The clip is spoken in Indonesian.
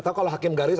atau kalau hakim garis